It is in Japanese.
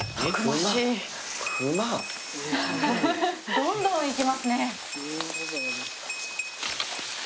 どんどん行きますね。